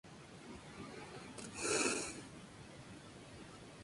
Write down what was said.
Ninguna de las versiones llegó a las listas del Reino Unido.